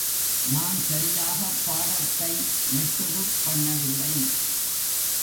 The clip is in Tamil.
நான் சரியாகப் பாடத்தை நெட்டுருப் பண்ணவில்லை.